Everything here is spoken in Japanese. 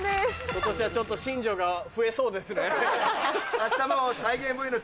今年はちょっと新庄が増えそうですね。